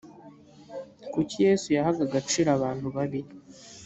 kuki yesu yahaga agaciro abantu babi